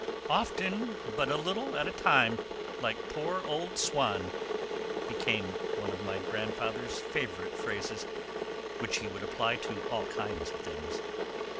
"Often, but a little at a time, like poor old Swann," became one of my grandfather's favourite phrases, which he would apply to all kinds of things.